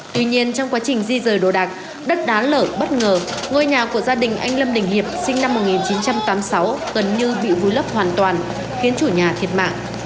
tuy nhiên trong quá trình di rời đồ đạc đất đá lở bất ngờ ngôi nhà của gia đình anh lâm đình hiệp sinh năm một nghìn chín trăm tám mươi